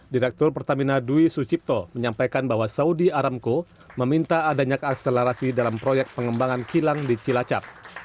direktur pertamina dwi sucipto menyampaikan bahwa saudi aramco meminta adanya keakselerasi dalam proyek pengembangan kilang di cilacap